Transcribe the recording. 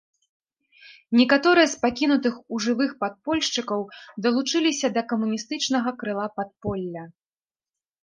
Некаторыя з пакінутых у жывых падпольшчыкаў далучыліся да камуністычнага крыла падполля.